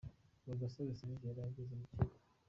Ubwo Gasore Serge yari ageze mu kigo.